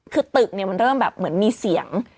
คือตึกเนี่ยมันเริ่มแบบเหมือนมีเสียง